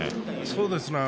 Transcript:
そうですね。